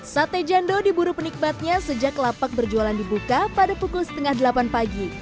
sate jando diburu penikmatnya sejak lapak berjualan dibuka pada pukul setengah delapan pagi